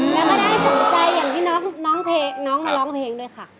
แล้วก็ได้สนใจอย่างที่น้องน้องเพลงน้องมาร้องเพลงด้วยค่ะ